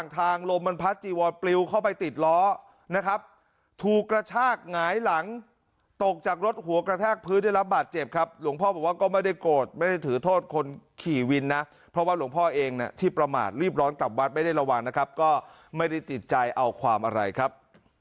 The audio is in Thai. ตกจากรถหัวกระแทกพื้นด้วยลำบาดเจ็บครับหลวงพ่อบอกว่าก็ไม่ได้โกรธไม่ได้ถือโทษคนขี่วินนะเพราะว่าหลวงพ่อเองน่ะที่ประหมาตรรีบร้อนตามวัดไม่ได้ระวังนะครับก็ไม่ได้ติดใจเอาความอะไรครับ